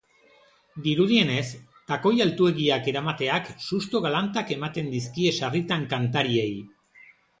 Dirudienez, takoi altuegiak eramateak susto galantak ematen dizkie sarritan kantariei.